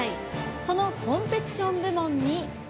そのコンペティション部門に。